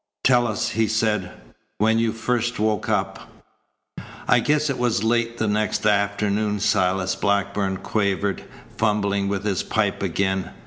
"Tell us," he said, "when you first woke up?" "I guess it was late the next afternoon," Silas Blackburn quavered, fumbling with his pipe again.